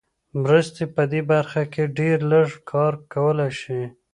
مرستې په دې برخه کې ډېر لږ کار کولای شي.